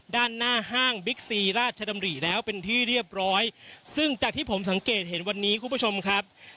ด้านหน้าห้างบิ๊กซีราชดำริแล้วเป็นที่เรียบร้อยซึ่งจากที่ผมสังเกตเห็นวันนี้คุณผู้ชมครับ